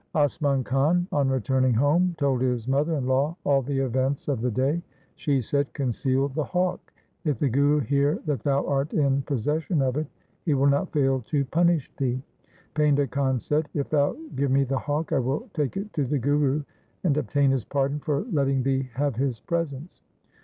Asman Khan, on returning home, told his mother in law all the events of the day. She said, ' Conceal the hawk. If the Guru hear that thou art in posses sion of it, he will not fail to punish thee. Painda Khan said, ' If thou give me the hawk I will take it to the Guru, and obtain his pardon for letting thee have his presents.'